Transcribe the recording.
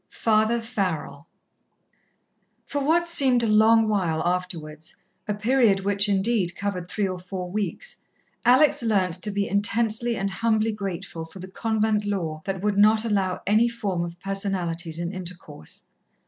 XXI Father Farrell For what seemed a long while afterwards a period which, indeed, covered three or four weeks Alex learnt to be intensely and humbly grateful for the convent law that would not allow any form of personalities in intercourse.